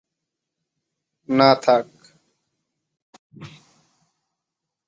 না, থাক।